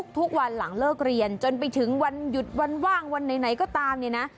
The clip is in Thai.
ทุกวันหลังเลิกเรียนจนไปถึงวันหยุดวันว่างวันไหนก็ตามเนี่ยนะ